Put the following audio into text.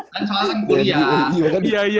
kan sekolah sekolah kuliah